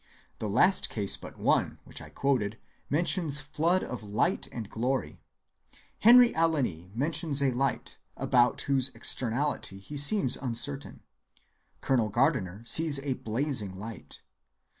The last case but one which I quoted mentions floods of light and glory. Henry Alline mentions a light, about whose externality he seems uncertain. Colonel Gardiner sees a blazing light.